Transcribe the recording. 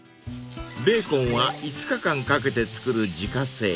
［ベーコンは５日間かけて作る自家製］